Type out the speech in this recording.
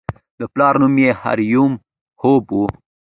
د پلار نوم یې هوریم هب و.